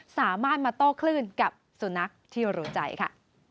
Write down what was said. สามารถมาโต้คลื่นกับสุนัขที่รู้ใจค่ะ